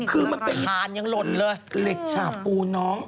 คือมันเป็นเหล็กฉาปูน้อง